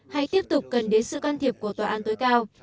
hãy tiếp tục cần đến sự can thiệp của tòa án tối cao